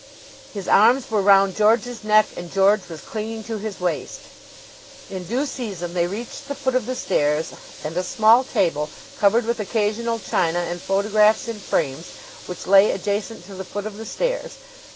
His arms were round George's neck and George was clinging to his waist. In due season they reached the foot of the stairs and a small table, covered with occasional china and photographs in frames, which lay adjacent to the foot of the stairs.